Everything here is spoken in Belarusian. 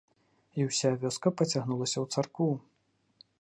І ўся вёска пацягнулася ў царкву.